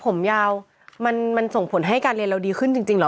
ผมยาวมันส่งผลให้การเรียนเราดีขึ้นจริงเหรอ